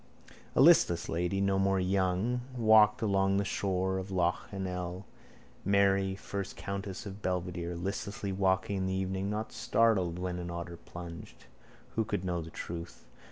A listless lady, no more young, walked alone the shore of lough Ennel, Mary, first countess of Belvedere, listlessly walking in the evening, not startled when an otter plunged. Who could know the truth?